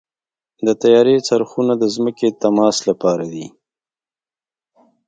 د طیارې څرخونه د ځمکې د تماس لپاره دي.